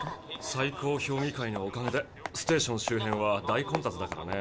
最高評議会のおかげでステーション周辺は大混雑だからね。